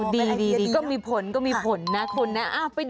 ดีก็มีผลนะคุณนะ